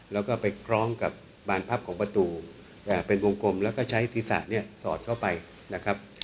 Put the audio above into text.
แล้วก็ไปคล้องกับบานพับของประตูเป็นวงกลมแล้วก็ใช้ศีรษะเนี่ยสอดเข้าไปนะครับ